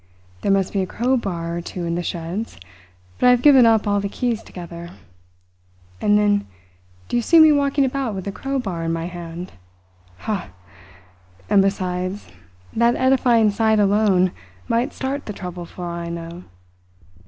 "There must be a crowbar or two in the sheds; but I have given up all the keys together. And then, do you see me walking about with a crowbar in my hand? Ha, ha! And besides, that edifying sight alone might start the trouble for all I know.